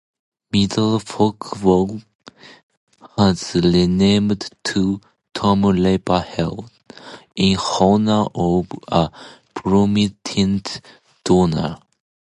Middlefork Hall was renamed to Tom Raper Hall, in honor of a prominent donor.